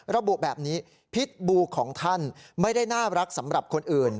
ระบุแบบนี้พิษบูของท่านไม่ได้น่ารักสำหรับคนอื่น